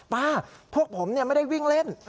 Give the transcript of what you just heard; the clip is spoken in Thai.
พวกผมไม่ได้วิ่งเล่น